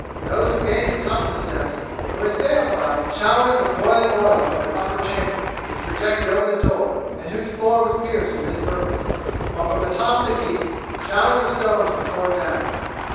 Those who gained the top of the steps were assailed by showers of boiling oil from an upper chamber which projected over the door, and whose floor was pierced for this purpose, while from the top of the keep showers of stones were poured down.